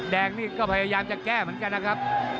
แดงนี่ก็พยายามจะแก้เหมือนกันนะครับ